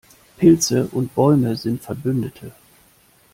Pilze und Bäume sind Verbündete.